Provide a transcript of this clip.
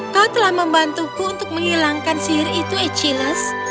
kau telah membantuku untuk menghilangkan sihir itu achilles